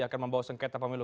akan membawa sengketa pemilu